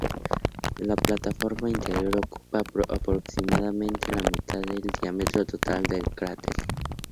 La plataforma interior ocupa aproximadamente la mitad del diámetro total del cráter.